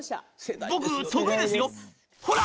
僕、得意ですよ、ほら！」